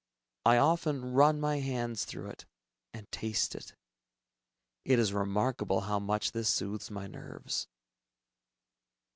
I often run my hands through it, and taste it. It is remarkable how much this soothes my nerves.